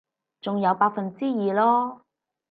仲有百分之二囉